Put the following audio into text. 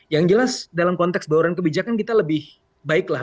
yang jelas dalam konteks bawaan kebijakan kita lebih baiklah